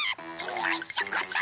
よいしょこしょ